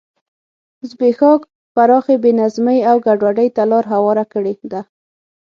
زبېښاک پراخې بې نظمۍ او ګډوډۍ ته لار هواره کړې ده.